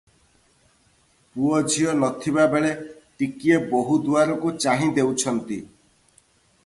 ପୁଅ ଝିଅ ନ ଥିବା ବେଳେ ଟିକିଏ ବୋହୂ ଦୁଆରକୁ ଚାହିଁ ଦେଉଛନ୍ତି ।